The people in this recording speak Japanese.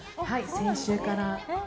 先週から。